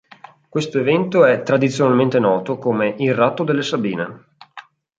Questo evento è tradizionalmente noto come il "Ratto delle sabine".